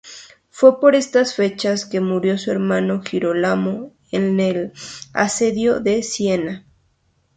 Fue por estas fechas que murió su hermano Girolamo en el asedio de Siena.